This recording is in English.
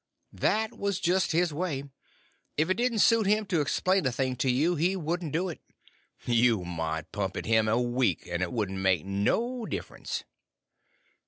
That was just his way. If it didn't suit him to explain a thing to you, he wouldn't do it. You might pump at him a week, it wouldn't make no difference.